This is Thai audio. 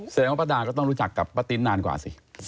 แสดงว่าป้าดาก็ต้องรู้จักกับป้าติ้นนานกว่าสิ